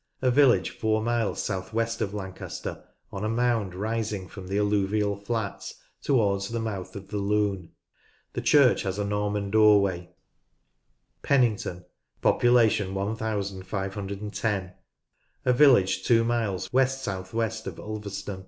A village four miles south west of Lancaster, on a mound rising from the alluvial flats towards the mouth ot the Lune. The church has a Norman doorway, (p. 127.) Pennington ( 15 10). A village two miles west south west of Ulverston.